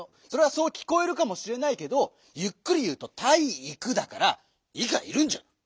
それはそうきこえるかもしれないけどゆっくりいうと「たいいく」だから「い」がいるんじゃ！